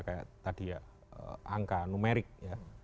kayak tadi ya angka numerik ya